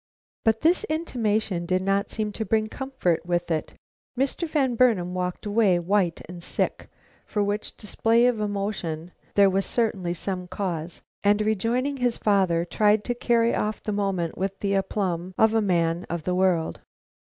But this intimation did not seem to bring comfort with it. Mr. Van Burnam walked away, white and sick, for which display of emotion there was certainly some cause, and rejoining his father tried to carry off the moment with the aplomb of a man of the world.